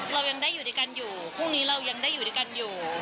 เรายังได้อยู่ด้วยกันอยู่พรุ่งนี้เรายังได้อยู่ด้วยกันอยู่